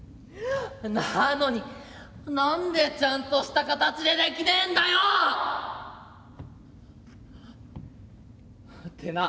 なのに何でちゃんとした形でできねえんだよ！ってな。